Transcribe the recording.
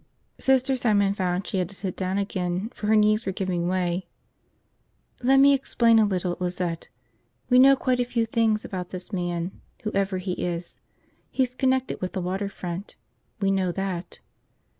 Sister Simon found she had to sit down again, for her knees were giving way. "Let me explain a little, Lizette. We know quite a few things about this man, whoever he is. He's connected with the water front, we know that.